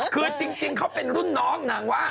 คือจริงเขาเป็นรุ่นน้องนางว่า